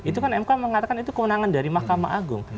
itu kan mk mengatakan itu kewenangan dari mahkamah agung